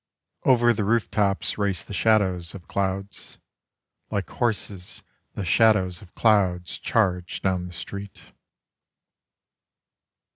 Over the roof tops race the shadows of clouds; Like horses the shadows of clouds charge down the street.